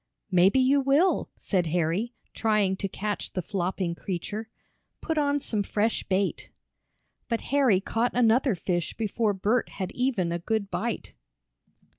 "Maybe you will," said Harry, trying to catch the flopping creature. "Put on some fresh bait." But Harry caught another fish before Bert had even a good bite.